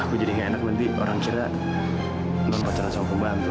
aku jadi gak enak nanti orang cerita belum pacaran sama pembantu